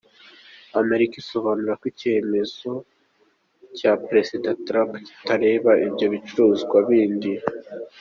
Amerika isobanura ko icyemezo cya Perezida Trump kitareba ibyo bicuruzwa bindi.